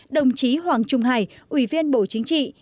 đồng chí hoàng trung hải ủy viên bộ chính trị